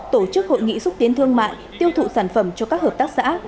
tổ chức hội nghị xúc tiến thương mại tiêu thụ sản phẩm cho các hợp tác xã